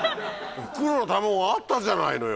フクロウの卵あったじゃないのよ。